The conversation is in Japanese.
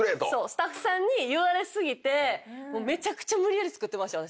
スタッフさんに言われ過ぎてめちゃくちゃ無理やり作ってました私。